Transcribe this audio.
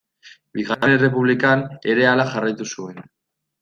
Bigarren Errepublikan ere hala jarraitu zuen.